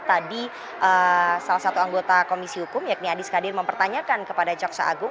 tadi salah satu anggota komisi hukum yakni adi skadir mempertanyakan kepada jaksa agung